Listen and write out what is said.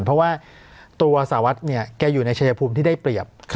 เพราะว่าตัวสารวัฒน์เนี่ยแกอยู่ในชายภูมิที่ได้เปรียบ